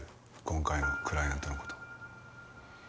今回のクライアントの事。